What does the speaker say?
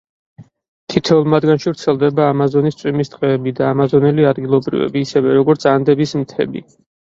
თითოეულ მათგანში ვრცელდება ამაზონის წვიმის ტყეები და ამაზონელი ადგილობრივები, ისევე როგორც ანდების მთები.